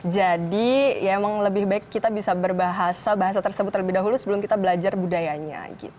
jadi emang lebih baik kita bisa berbahasa bahasa tersebut lebih dahulu sebelum kita belajar budayanya gitu